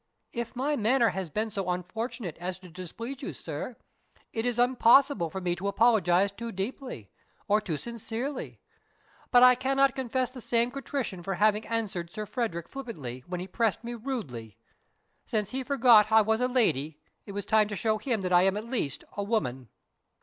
"If my manner has been so unfortunate as to displease you, sir, it is impossible for me to apologize too deeply, or too sincerely; but I cannot confess the same contrition for having answered Sir Frederick flippantly when he pressed me rudely. Since he forgot I was a lady, it was time to show him that I am at least a woman."